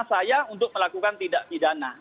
saya untuk melakukan tidak pidana